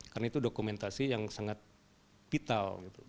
karena itu dokumentasi yang sangat vital